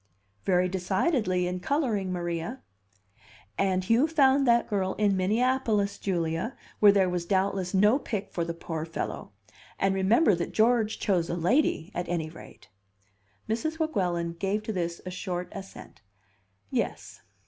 "Very decidedly, in coloring, Maria." "And Hugh found that girl in Minneapolis, Julia, where there was doubtless no pick for the poor fellow. And remember that George chose a lady, at any rate." Mrs. Weguelin gave to this a short assent. "Yes."